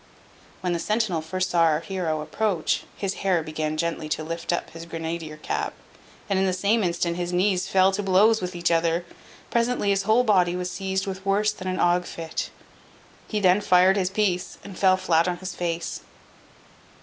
When the centinel first saw our heroe approach, his hair began gently to lift up his grenadier cap; and in the same instant his knees fell to blows with each other. Presently his whole body was seized with worse than an ague fit. He then fired his piece, and fell flat on his face.